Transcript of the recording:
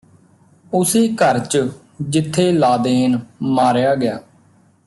ਉਸੇ ਘਰ ਚ ਜਿਥੇ ਲਾਦੇਨ ਮਾਰਿਆ ਗਿਆ